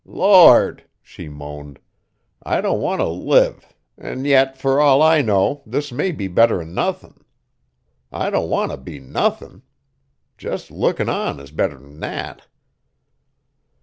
"Lord!" she moaned, "I don't want t' live; an' yet fur all I know, this may be better'n nothin'! I don't want t' be nothin'! Jest lookin' on is better than that!"